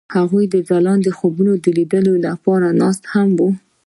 هغوی د ځلانده خوبونو د لیدلو لپاره ناست هم وو.